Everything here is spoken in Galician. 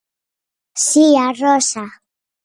Si, a rosa.